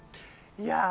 いや。